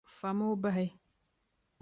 Fami o bahi!